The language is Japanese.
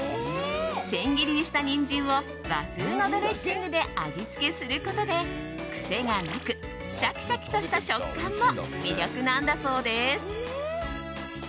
千切りにしたニンジンを和風のドレッシングで味付けすることで癖がなくシャキシャキとした食感も魅力なんだそうです。